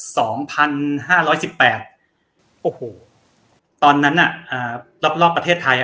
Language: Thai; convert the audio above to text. สองพันห้าร้อยสิบแปดโอ้โหตอนนั้นอ่ะอ่ารอบรอบประเทศไทยอ่ะ